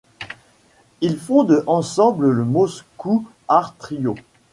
Ils fondent ensemble le Moscow Art Trio.